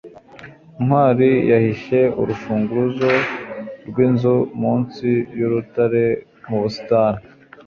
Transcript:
ntwali yahishe urufunguzo rwinzu munsi yurutare mu busitani